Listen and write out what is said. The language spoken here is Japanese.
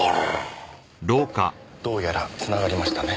どうやらつながりましたね。